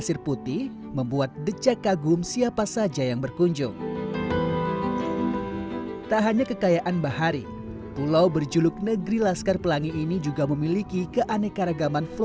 itu yang menyebabkan pendangkalan